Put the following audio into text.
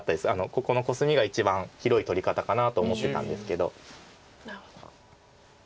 ここのコスミが一番広い取り方かなと思ってたんですけど。